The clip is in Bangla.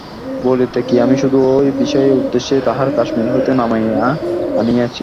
বলিতে কি, আমি শুধু এই বিশেষ উদ্দেশ্যেই তাহাকে কাশ্মীর হইতে নামাইয়া আনিয়াছি।